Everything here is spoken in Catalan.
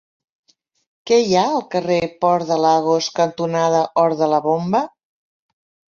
Què hi ha al carrer Port de Lagos cantonada Hort de la Bomba?